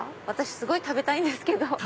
私すごい食べたいんですけど。